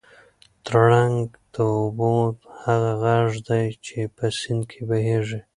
ترنګ د اوبو هغه غږ دی چې په سیند کې بهېږي.